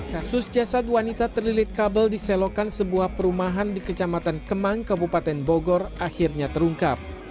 kasus jasad wanita terlilit kabel di selokan sebuah perumahan di kecamatan kemang kabupaten bogor akhirnya terungkap